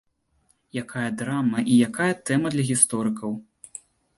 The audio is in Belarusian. Якая драма і якая тэма для гісторыкаў!